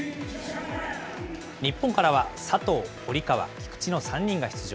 日本からは佐藤、堀川、菊池の３人が出場。